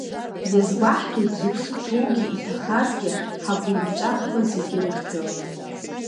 Иазгәаҳҭоит зыԥсы ҭоугьы, иҭахазгьы ҳагәлымҵәахқәа зегь рыхьӡала.